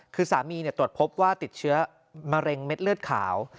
คือสามีตรวจพบว่าติดเชื้อมะเร็งเม็ดเลือดขาว